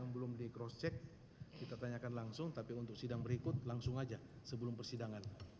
belum di cross check kita tanyakan langsung tapi untuk sidang berikut langsung aja sebelum persidangan